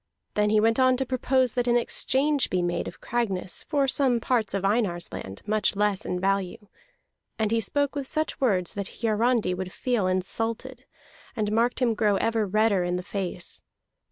Then he went on to propose that an exchange be made of Cragness for some parts of Einar's land, much less in value. And he spoke with such words that Hiarandi would feel insulted, and marked him grow ever redder in the face.